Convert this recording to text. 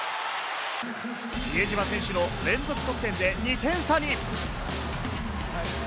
比江島選手の連続得点で２点差に。